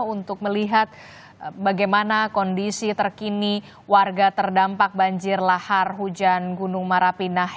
untuk melihat bagaimana kondisi terkini warga terdampak banjir lahar hujan gunung marapinah